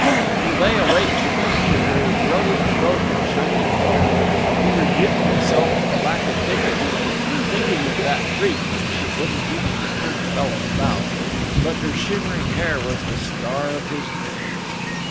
He lay awake to picture her brilliant throat and shining hair. He rebuked himself for the lack of dignity in "thinking of that freak, when she wouldn't even return a fellow's bow." But her shimmering hair was the star of his dreams.